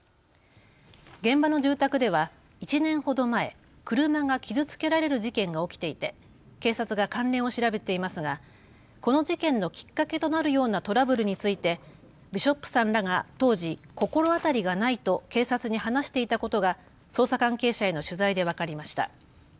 現場の住宅では１年ほど前、車が傷つけられる事件が起きていて警察が関連を調べていますが、この事件のきっかけとなるようなトラブルについてビショップさんらが当時、心当たりがないと警察に話していたことが捜査関係者への取材で分かりました。